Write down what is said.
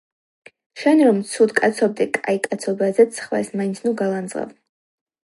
„შენ რომ ცუდკაცობდე, კაიკაცობაზედ სხვას მაინც ნუ გალანძღავ.“